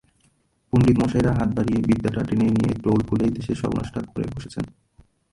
পণ্ডিত মশাইরা হাত বাড়িয়ে বিদ্যাটা টেনে নিয়ে টোল খুলেই দেশের সর্বনাশটা করে বসেছেন।